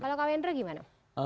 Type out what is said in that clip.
kalau kamendra gimana